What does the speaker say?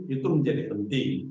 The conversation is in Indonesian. itu menjadi penting